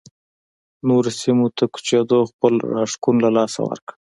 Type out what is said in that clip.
نورو سیمو ته کوچېدو خپل راښکون له لاسه ورکړ